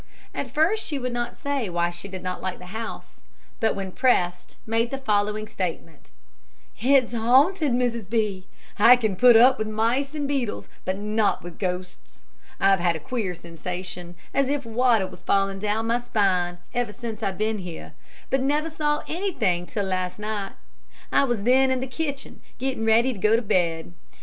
At first she would not say why she did not like the house, but when pressed made the following statement: "It's haunted, Mrs. B . I can put up with mice and beetles, but not with ghosts. I've had a queer sensation, as if water was falling down my spine, ever since I've been here, but never saw anything till last night. I was then in the kitchen getting ready to go to bed.